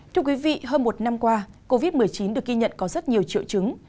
thưa quý vị hơn một năm qua covid một mươi chín được ghi nhận có rất nhiều triệu chứng